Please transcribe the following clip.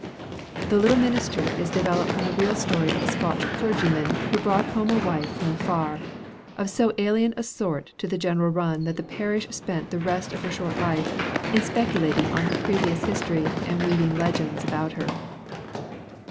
'The Little Minister' is developed from the real story of a Scotch clergyman who brought home a wife from afar, of so alien a sort to the general run that the parish spent the rest of her short life in speculating on her previous history and weaving legends about her.